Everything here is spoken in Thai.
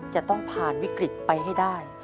จะต้องผ่านวิกฤตไปให้ได้